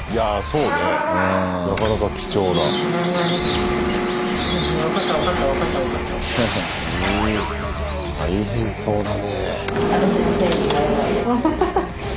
うん大変そうだね。